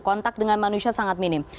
kontak dengan manusia sangat minim